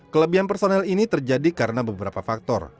kelebihan personel ini terjadi karena beberapa faktor